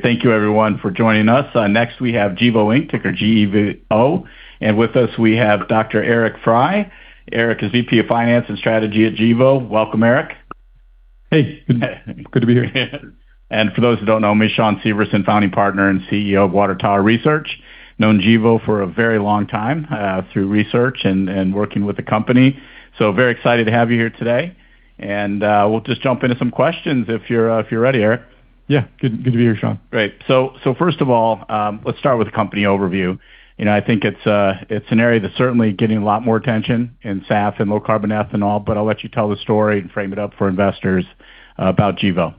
Thank you everyone for joining us. Next we have Gevo, Inc., ticker GEVO. With us we have Dr. Eric Frey. Eric is VP of Finance and Strategy at Gevo. Welcome, Eric. Hey. Good to be here. For those that don't know me, Shawn Severson, Founding Partner and CEO of Water Tower Research. Known Gevo for a very long time, through research and working with the company. Very excited to have you here today. We'll just jump into some questions if you're ready, Eric. Yeah. Good to be here, Shawn. Great. First of all, let's start with the company overview. I think it's an area that's certainly getting a lot more attention in SAF and low carbon ethanol, but I'll let you tell the story and frame it up for investors about Gevo.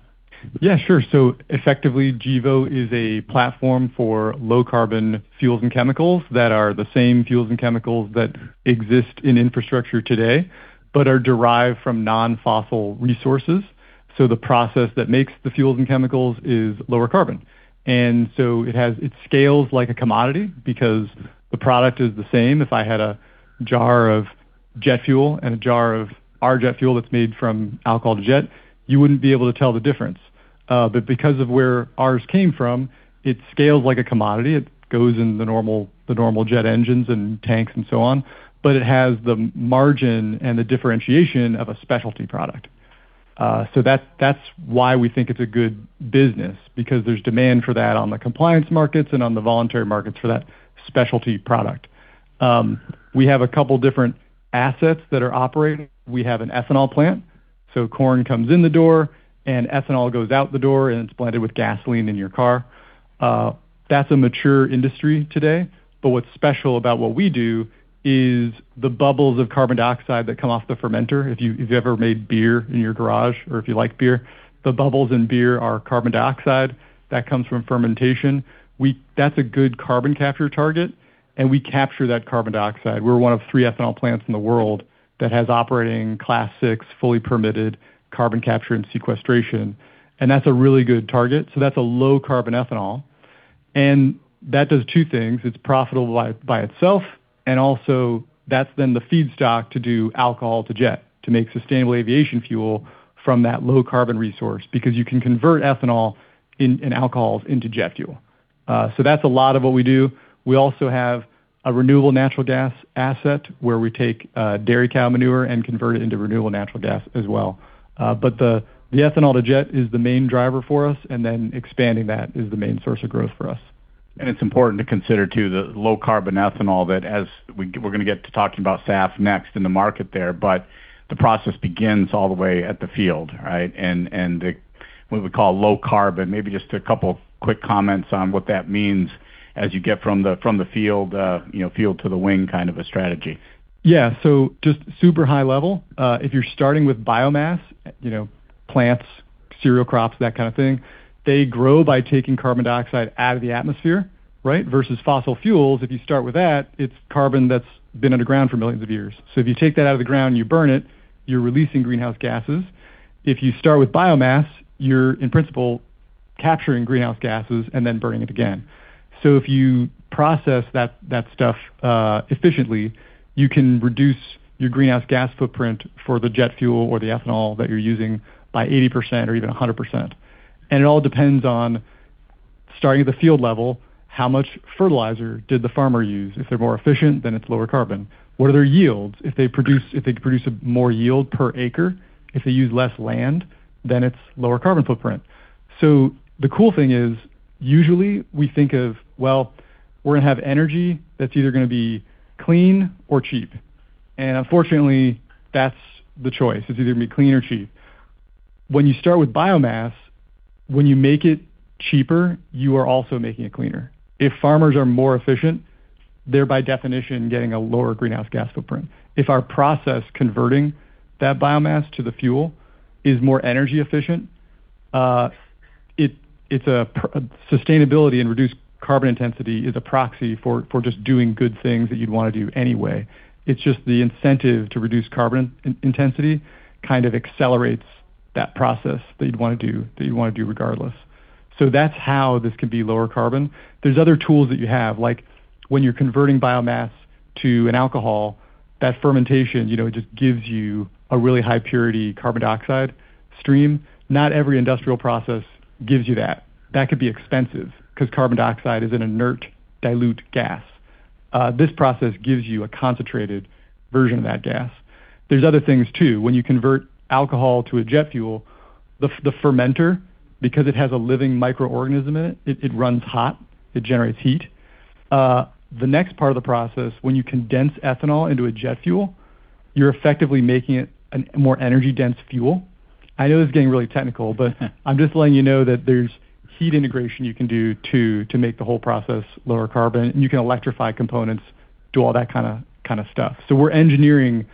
Yeah, sure. Effectively, Gevo is a platform for low carbon fuels and chemicals that are the same fuels and chemicals that exist in infrastructure today, but are derived from non-fossil resources. The process that makes the fuels and chemicals is lower carbon. It scales like a commodity because the product is the same. If I had a jar of jet fuel and a jar of our jet fuel that's made from Alcohol-to-Jet, you wouldn't be able to tell the difference. Because of where ours came from, it scales like a commodity. It goes in the normal jet engines and tanks and so on, but it has the margin and the differentiation of a specialty product. That's why we think it's a good business, because there's demand for that on the compliance markets and on the voluntary markets for that specialty product. We have a couple different assets that are operating. We have an ethanol plant, corn comes in the door and ethanol goes out the door and it's blended with gasoline in your car. That's a mature industry today, what's special about what we do is the bubbles of carbon dioxide that come off the fermenter. If you've ever made beer in your garage or if you like beer, the bubbles in beer are carbon dioxide. That comes from fermentation. That's a good carbon capture target, and we capture that carbon dioxide. We're one of three ethanol plants in the world that has operating Class VI, fully permitted carbon capture and sequestration, and that's a really good target. That's a low carbon ethanol, that does two things. It's profitable by itself, also that's then the feedstock to do Alcohol-to-Jet, to make Sustainable Aviation Fuel from that low carbon resource, because you can convert ethanol and alcohols into jet fuel. That's a lot of what we do. We also have a renewable natural gas asset where we take dairy cow manure and convert it into renewable natural gas as well. The ethanol to jet is the main driver for us then expanding that is the main source of growth for us. It's important to consider, too, the low carbon ethanol that as we're going to get to talking about SAF next in the market there, but the process begins all the way at the field, right? What we call low carbon. Maybe just a couple quick comments on what that means as you get from the field to the wing kind of a strategy. Yeah. Just super high level, if you're starting with biomass, plants, cereal crops, that kind of thing, they grow by taking carbon dioxide out of the atmosphere, right? Versus fossil fuels, if you start with that, it's carbon that's been underground for millions of years. If you take that out of the ground and you burn it, you're releasing greenhouse gases. If you start with biomass, you're in principle capturing greenhouse gases and then burning it again. If you process that stuff efficiently, you can reduce your greenhouse gas footprint for the jet fuel or the ethanol that you're using by 80% or even 100%. It all depends on starting at the field level, how much fertilizer did the farmer use? If they're more efficient, then it's lower carbon. What are their yields? If they produce more yield per acre, if they use less land, then it's lower carbon footprint. The cool thing is, usually we think of, well, we're going to have energy that's either going to be clean or cheap. Unfortunately, that's the choice. It's either going to be clean or cheap. When you start with biomass, when you make it cheaper, you are also making it cleaner. If farmers are more efficient, they're by definition getting a lower greenhouse gas footprint. If our process converting that biomass to the fuel is more energy efficient, sustainability and reduced carbon intensity is a proxy for just doing good things that you'd want to do anyway. It's just the incentive to reduce carbon intensity kind of accelerates that process that you'd want to do, that you want to do regardless. That's how this can be lower carbon. There's other tools that you have, like when you're converting biomass to an alcohol, that fermentation just gives you a really high purity carbon dioxide stream. Not every industrial process gives you that. That could be expensive because carbon dioxide is an inert dilute gas. This process gives you a concentrated version of that gas. There's other things, too. When you convert alcohol to a jet fuel, the fermenter, because it has a living microorganism in it runs hot. It generates heat. The next part of the process, when you condense ethanol into a jet fuel, you're effectively making it a more energy dense fuel. I know this is getting really technical, but I'm just letting you know that there's heat integration you can do to make the whole process lower carbon, and you can electrify components, do all that kind of stuff. We are engineering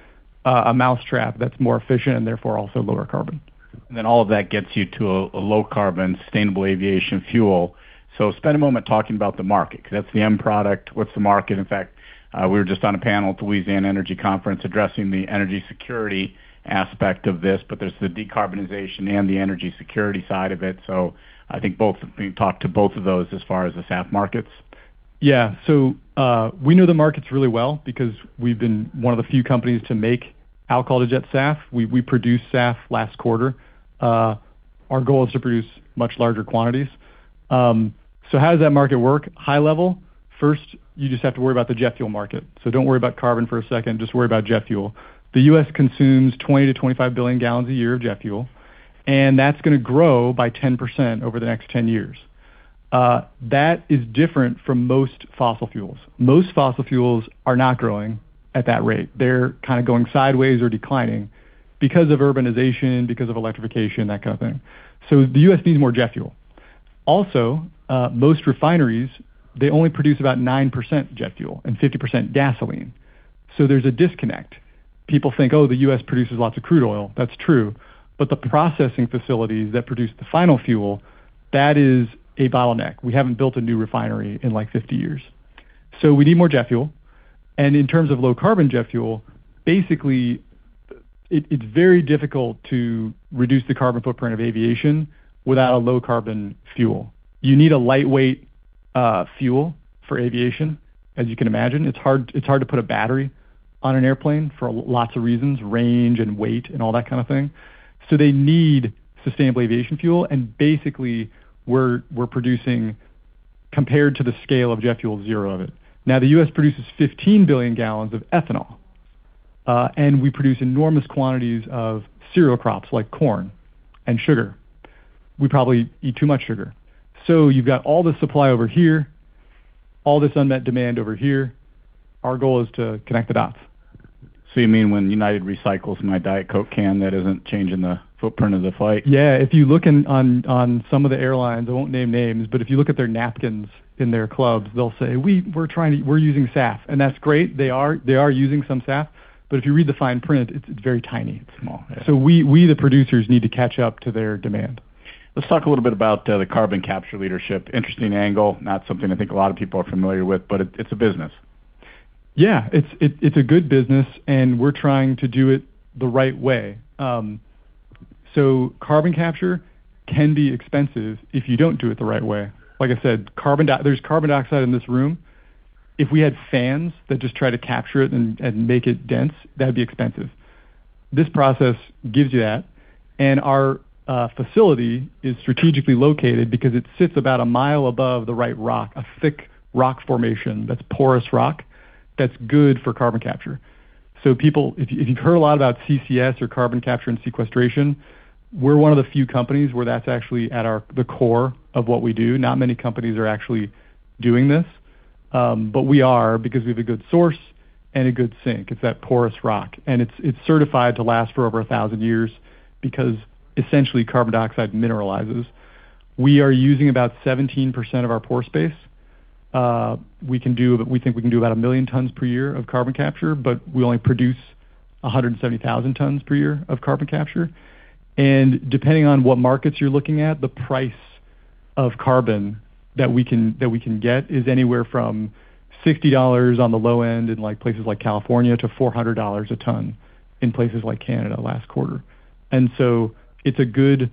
a mousetrap that's more efficient and therefore also lower carbon. All of that gets you to a low carbon Sustainable Aviation Fuel. Spend a moment talking about the market, because that's the end product. What's the market? In fact, we were just on a panel at the Louisiana Energy Conference addressing the energy security aspect of this, but there's the decarbonization and the energy security side of it. I think talk to both of those as far as the SAF markets. Yeah. We know the markets really well because we've been one of the few companies to make Alcohol-to-Jet SAF. We produced SAF last quarter. Our goal is to produce much larger quantities. How does that market work? High level, first, you just have to worry about the jet fuel market. Don't worry about carbon for a second, just worry about jet fuel. The U.S. consumes 20 billion to 25 billion gallons a year of jet fuel, and that's going to grow by 10% over the next 10 years. That is different from most fossil fuels. Most fossil fuels are not growing at that rate. They're kind of going sideways or declining because of urbanization, because of electrification, that kind of thing. The U.S. needs more jet fuel. Also, most refineries, they only produce about 9% jet fuel and 50% gasoline. There's a disconnect. People think, oh, the U.S. produces lots of crude oil. That's true. The processing facilities that produce the final fuel, that is a bottleneck. We haven't built a new refinery in, like, 50 years. We need more jet fuel, and in terms of low carbon jet fuel, basically, it's very difficult to reduce the carbon footprint of aviation without a low carbon fuel. You need a lightweight fuel for aviation. As you can imagine, it's hard to put a battery on an airplane for lots of reasons, range and weight and all that kind of thing. They need Sustainable Aviation Fuel, and basically we're producing, compared to the scale of jet fuel, zero of it. Now, the U.S. produces 15 billion gallons of ethanol, and we produce enormous quantities of cereal crops like corn and sugar. We probably eat too much sugar. You've got all this supply over here, all this unmet demand over here. Our goal is to connect the dots. You mean when United recycles my Diet Coke can, that isn't changing the footprint of the flight? Yeah. If you look on some of the airlines, I won't name names, but if you look at their napkins in their clubs, they'll say, we're using SAF. That's great. They are using some SAF. If you read the fine print, it's very tiny. It's small. Yeah. We, the producers, need to catch up to their demand. Let's talk a little bit about the carbon capture leadership. Interesting angle. Not something I think a lot of people are familiar with, but it's a business. Yeah. It's a good business, we're trying to do it the right way. Carbon capture can be expensive if you don't do it the right way. Like I said, there's carbon dioxide in this room. If we had fans that just try to capture it and make it dense, that'd be expensive. This process gives you that, our facility is strategically located because it sits about a mile above the right rock, a thick rock formation that's porous rock that's good for carbon capture. People, if you've heard a lot about CCS or carbon capture and sequestration, we're one of the few companies where that's actually at the core of what we do. Not many companies are actually doing this. We are because we have a good source and a good sink. It's that porous rock, it's certified to last for over 1,000 years because essentially carbon dioxide mineralizes. We are using about 17% of our pore space. We think we can do about 1 million tons per year of carbon capture, but we only produce 170,000 tons per year of carbon capture. Depending on what markets you're looking at, the price of carbon that we can get is anywhere from $60 on the low end in places like California to $400 a ton in places like Canada last quarter. It's a good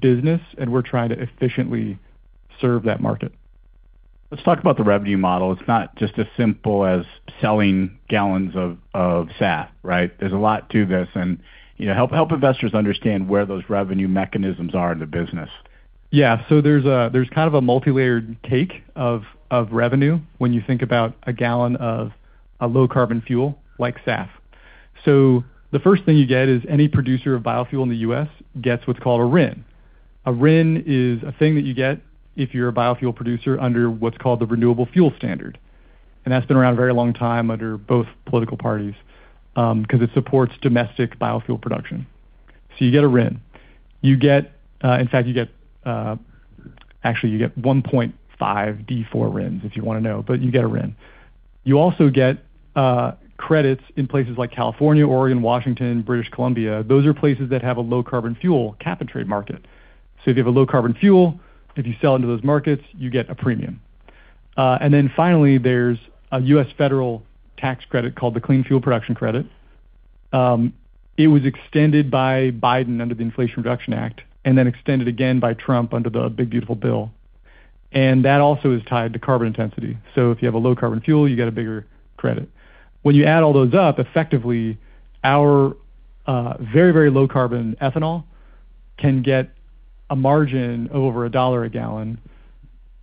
business, we're trying to efficiently serve that market. Let's talk about the revenue model. It's not just as simple as selling gallons of SAF, right? There's a lot to this, help investors understand where those revenue mechanisms are in the business. Yeah. So there's kind of a multilayered take of revenue when you think about a gallon of a low carbon fuel like SAF. The first thing you get is any producer of biofuel in the U.S. gets what's called a RIN. A RIN is a thing that you get if you're a biofuel producer under what's called the Renewable Fuel Standard. That's been around a very long time under both political parties, because it supports domestic biofuel production. So you get a RIN. In fact, actually you get 1.5 D4 RINs if you want to know, but you get a RIN. You also get credits in places like California, Oregon, Washington, British Columbia. Those are places that have a low carbon fuel cap and trade market. If you have a low carbon fuel, if you sell into those markets, you get a premium. Finally, there's a U.S. federal tax credit called the Clean Fuel Production Credit. It was extended by Biden under the Inflation Reduction Act and then extended again by Trump under the Big, Beautiful Bill. That also is tied to carbon intensity. If you have a low carbon fuel, you get a bigger credit. When you add all those up, effectively, our very low carbon ethanol can get a margin of over $1 a gallon.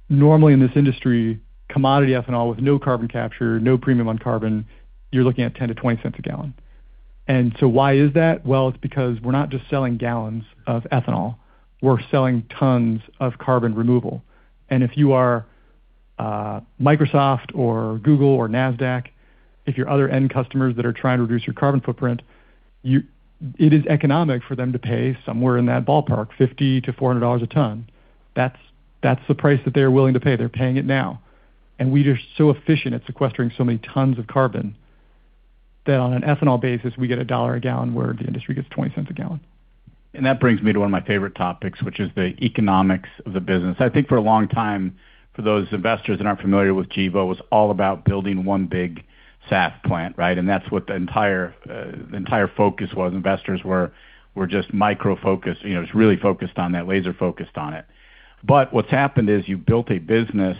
Normally in this industry, commodity ethanol with no carbon capture, no premium on carbon, you're looking at $0.10-$0.20 a gallon. Why is that? Well, it's because we're not just selling gallons of ethanol, we're selling tons of carbon removal. If you are Microsoft or Google or Nasdaq, if your other end customers that are trying to reduce your carbon footprint, it is economic for them to pay somewhere in that ballpark, $50-$400 a ton. That's the price that they're willing to pay. They're paying it now. We are just so efficient at sequestering so many tons of carbon that on an ethanol basis, we get $1 a gallon where the industry gets $0.20 a gallon. That brings me to one of my favorite topics, which is the economics of the business. I think for a long time, for those investors that aren't familiar with Gevo, it was all about building one big SAF plant, right? That's what the entire focus was. Investors were just micro-focused. It was really focused on that, laser-focused on it. What's happened is you built a business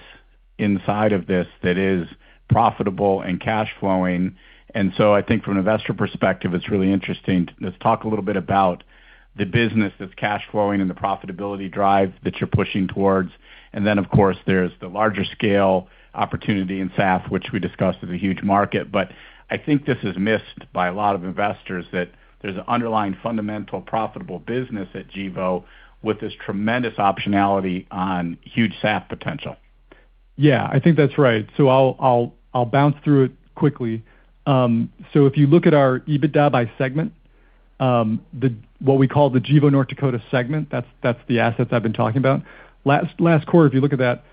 inside of this that is profitable and cash flowing. I think from an investor perspective, it's really interesting. Let's talk a little bit about the business that's cash flowing and the profitability drive that you're pushing towards. Then, of course, there's the larger scale opportunity in SAF, which we discussed is a huge market. I think this is missed by a lot of investors, that there's an underlying fundamental, profitable business at Gevo with this tremendous optionality on huge SAF potential. Yeah, I think that's right. I'll bounce through it quickly. If you look at our EBITDA by segment, what we call the Gevo North Dakota segment, that's the assets I've been talking about. Last quarter, if you look at that,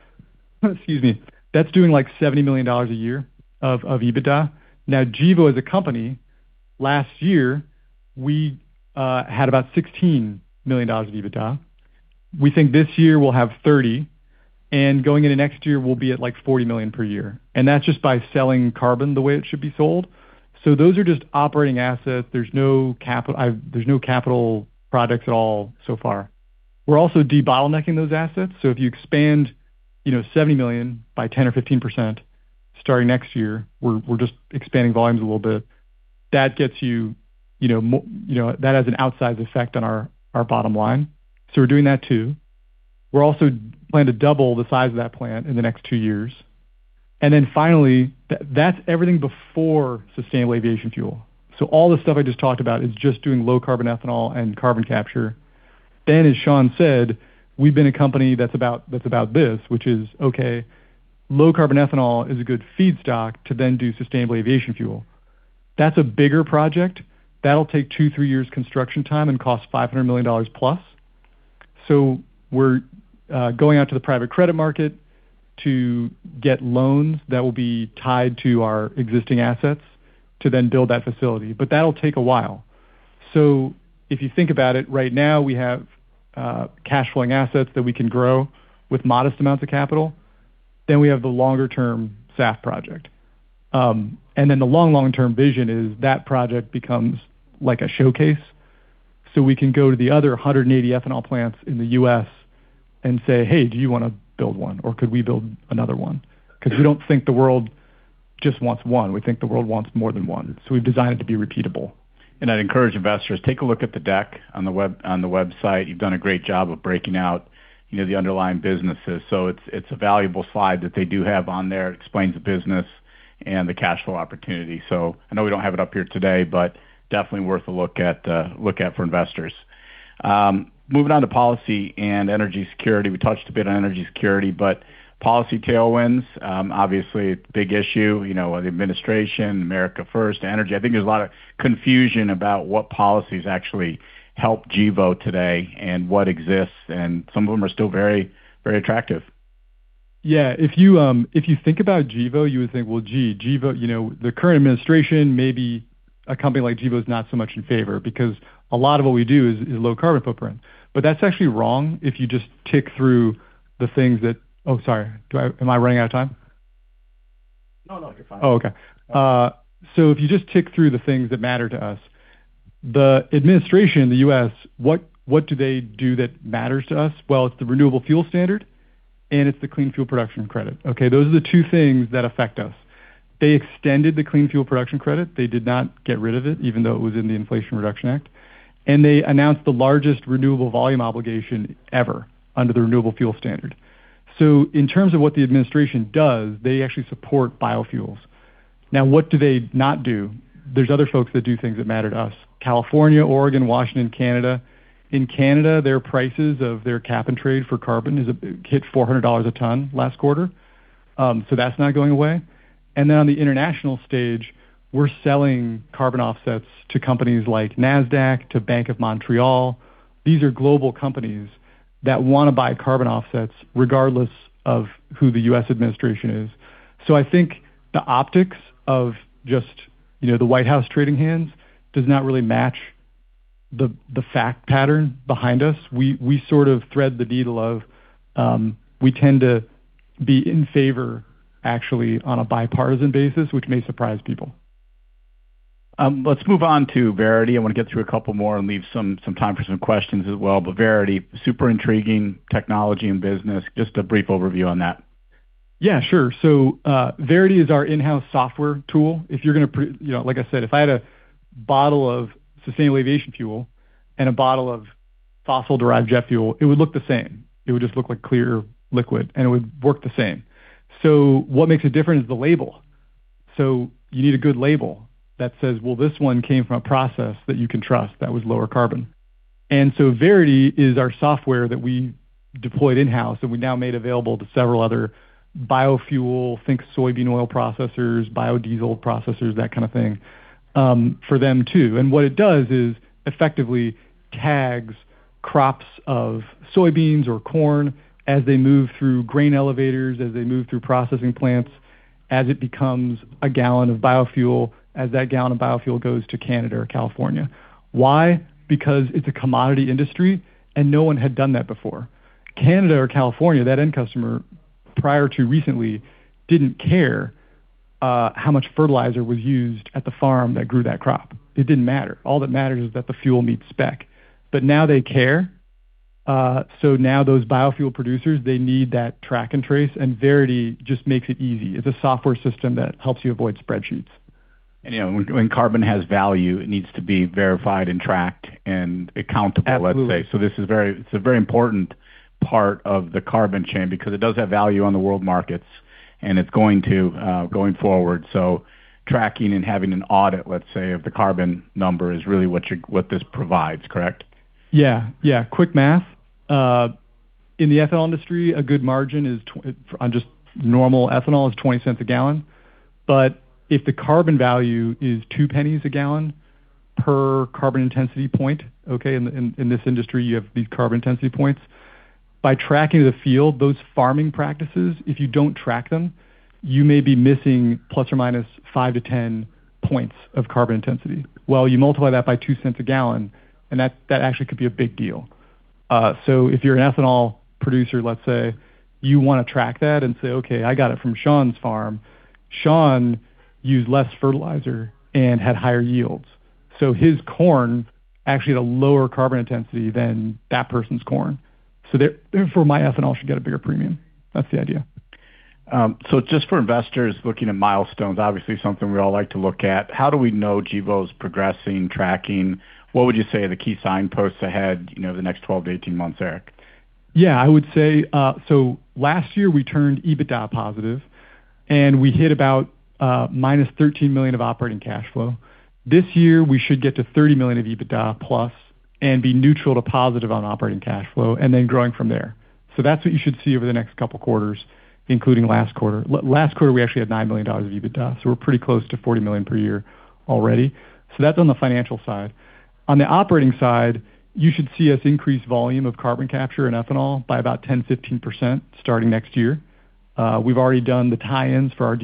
excuse me, that's doing $70 million a year of EBITDA. Gevo as a company, last year, we had about $16 million of EBITDA. We think this year we'll have $30 million, and going into next year, we'll be at like $40 million per year. That's just by selling carbon the way it should be sold. Those are just operating assets. There's no capital projects at all so far. We're also de-bottlenecking those assets, if you expand $70 million by 10% or 15% starting next year, we're just expanding volumes a little bit. That has an outsize effect on our bottom line. We're doing that, too. We're also planning to double the size of that plant in the next two years. Finally, that's everything before Sustainable Aviation Fuel. All the stuff I just talked about is just doing low carbon ethanol and carbon capture. As Shawn said, we've been a company that's about this, which is, okay, low carbon ethanol is a good feedstock to then do Sustainable Aviation Fuel. That's a bigger project. That'll take two, three years construction time and cost $500 million+. We're going out to the private credit market to get loans that will be tied to our existing assets to then build that facility. That'll take a while. If you think about it, right now, we have cash flowing assets that we can grow with modest amounts of capital. Then we have the longer term SAF project. The long, long-term vision is that project becomes like a showcase, so we can go to the other 180 ethanol plants in the U.S. and say, Hey, do you want to build one? Or, could we build another one? Because we don't think the world just wants one. We think the world wants more than one. We've designed it to be repeatable. I'd encourage investors, take a look at the deck on the website. You've done a great job of breaking out the underlying businesses. It's a valuable slide that they do have on there. It explains the business and the cash flow opportunity. I know we don't have it up here today, but definitely worth a look at for investors. Moving on to policy and energy security. We touched a bit on energy security, policy tailwinds, obviously a big issue. The administration, America First, energy. I think there's a lot of confusion about what policies actually help Gevo today and what exists, and some of them are still very attractive. Yeah. If you think about Gevo, you would think, well, gee, the current administration, maybe a company like Gevo is not so much in favor, because a lot of what we do is low carbon footprint. That's actually wrong if you just tick through the things that Oh, sorry. Am I running out of time? No, you're fine. Oh, okay. If you just tick through the things that matter to us, the administration in the U.S., what do they do that matters to us? Well, it's the Renewable Fuel Standard and it's the Clean Fuel Production Credit. Okay? Those are the two things that affect us. They extended the Clean Fuel Production Credit. They did not get rid of it, even though it was in the Inflation Reduction Act. They announced the largest Renewable Volume Obligation ever under the Renewable Fuel Standard. In terms of what the administration does, they actually support biofuels. Now, what do they not do? There's other folks that do things that matter to us, California, Oregon, Washington, Canada. In Canada, their prices of their cap and trade for carbon hit $400 a ton last quarter. That's not going away. On the international stage, we're selling carbon offsets to companies like Nasdaq, to Bank of Montreal. These are global companies that want to buy carbon offsets regardless of who the U.S. administration is. I think the optics of just the White House trading hands does not really match the fact pattern behind us. We sort of thread the needle of we tend to be in favor, actually, on a bipartisan basis, which may surprise people. Let's move on to Verity. I want to get through a couple more and leave some time for some questions as well. Verity, super intriguing technology and business. Just a brief overview on that. Yeah, sure. Verity is our in-house software tool. Like I said, if I had a bottle of Sustainable Aviation Fuel and a bottle of fossil-derived jet fuel, it would look the same. It would just look like clear liquid, and it would work the same. What makes it different is the label. You need a good label that says, well, this one came from a process that you can trust that was lower carbon. Verity is our software that we deployed in-house and we now made available to several other biofuel, think soybean oil processors, biodiesel processors, that kind of thing, for them, too. What it does is effectively tags crops of soybeans or corn as they move through grain elevators, as they move through processing plants, as it becomes a gallon of biofuel, as that gallon of biofuel goes to Canada or California. Why? Because it's a commodity industry and no one had done that before. Canada or California, that end customer, prior to recently, didn't care how much fertilizer was used at the farm that grew that crop. It didn't matter. All that matters is that the fuel meets spec. Now they care. Now those biofuel producers, they need that track and trace, and Verity just makes it easy. It's a software system that helps you avoid spreadsheets. When carbon has value, it needs to be verified and tracked and accountable, let's say. Absolutely. This is a very important part of the carbon chain because it does have value on the world markets and it's going to, going forward. Tracking and having an audit, let's say, of the carbon number is really what this provides, correct? Yeah. Quick math. In the ethanol industry, a good margin on just normal ethanol is $0.20 a gallon. If the carbon value is $0.02 a gallon per carbon intensity point, okay, in this industry, you have these carbon intensity points. By tracking the field, those farming practices, if you don't track them, you may be missing ±5 to ±10 points of carbon intensity. Well, you multiply that by $0.02 a gallon, and that actually could be a big deal. If you're an ethanol producer, let's say, you want to track that and say, Okay, I got it from Shawn's farm. Shawn used less fertilizer and had higher yields. His corn actually had a lower carbon intensity than that person's corn. Therefore, my ethanol should get a bigger premium. That's the idea. Just for investors looking at milestones, obviously something we all like to look at, how do we know Gevo's progressing, tracking? What would you say are the key signposts ahead the next 12-18 months, Eric? Last year, we turned EBITDA positive, and we hit about -$13 million of operating cash flow. This year, we should get to $30 million of EBITDA plus and be neutral to positive on operating cash flow, and then growing from there. That's what you should see over the next couple quarters, including last quarter. Last quarter, we actually had $9 million of EBITDA, so we're pretty close to $40 million per year already. That's on the financial side. On the operating side, you should see us increase volume of carbon capture and ethanol by about 10%-15% starting next year. We've already done the tie-ins for our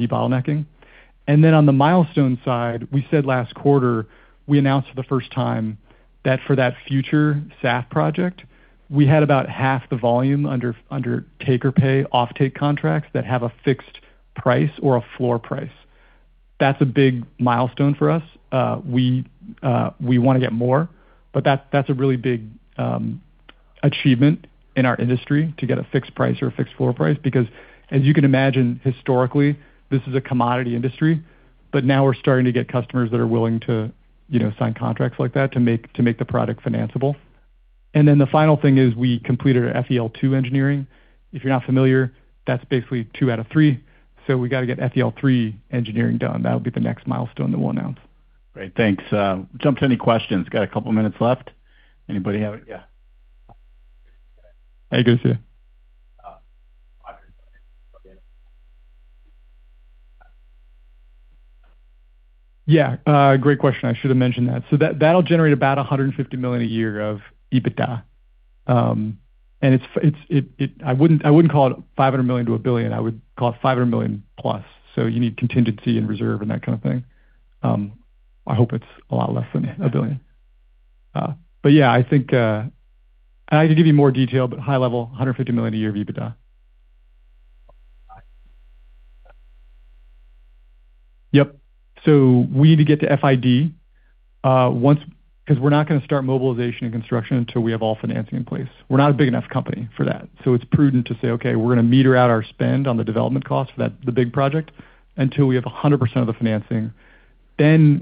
debottlenecking. On the milestone side, we said last quarter, we announced for the first time that for that future SAF project, we had about half the volume under take-or-pay offtake contracts that have a fixed price or a floor price. That's a big milestone for us. We want to get more, but that's a really big achievement in our industry to get a fixed price or a fixed floor price, because as you can imagine, historically, this is a commodity industry, but now we're starting to get customers that are willing to sign contracts like that to make the product financeable. The final thing is we completed our FEL2 engineering. If you're not familiar, that's basically two out of three. We've got to get FEL3 engineering done. That'll be the next milestone that we'll announce. Great. Thanks. Jump to any questions. Got a couple of minutes left. Anybody have. How you guys doing? Great question. I should have mentioned that. That'll generate about $150 million a year of EBITDA. I wouldn't call it $500 million-$1 billion. I would call it $500 million+, so you need contingency and reserve and that kind of thing. I hope it's a lot less than $1 billion. I think, and I can give you more detail, but high level, $150 million a year of EBITDA. We need to get to FID, because we're not going to start mobilization and construction until we have all financing in place. We're not a big enough company for that. It's prudent to say, Okay, we're going to meter out our spend on the development cost for the big project until we have 100% of the financing.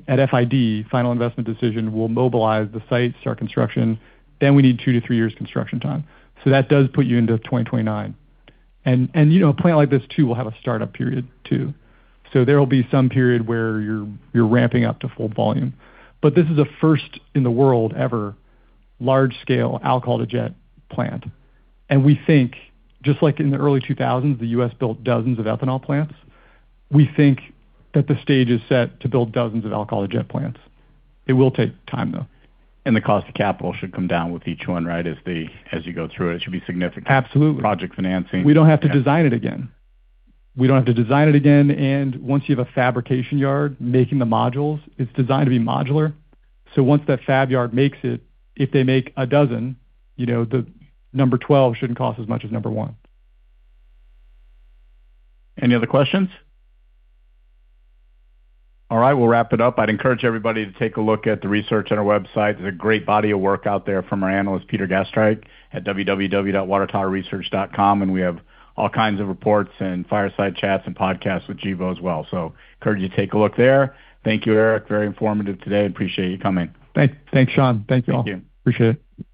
At FID, final investment decision, we'll mobilize the site, start construction, then we need two to three years construction time. That does put you into 2029. A plant like this, too, will have a startup period, too. There will be some period where you're ramping up to full volume. This is the first in the world ever large scale Alcohol-to-Jet plant. We think, just like in the early 2000s, the U.S. built dozens of ethanol plants, we think that the stage is set to build dozens of Alcohol-to-Jet plants. It will take time, though. The cost of capital should come down with each one, right? Absolutely Project financing. We don't have to design it again. We don't have to design it again, once you have a fabrication yard making the modules, it's designed to be modular. Once that fab yard makes it, if they make a dozen, the number 12 shouldn't cost as much as number one. Any other questions? All right. We'll wrap it up. I'd encourage everybody to take a look at the research on our website. There's a great body of work out there from our analyst, Peter Gastreich, at www.watertowerresearch.com, and we have all kinds of reports and fireside chats and podcasts with Gevo as well. Encourage you to take a look there. Thank you, Eric. Very informative today. Appreciate you coming. Thanks, Shawn. Thank you all. Thank you. Appreciate it.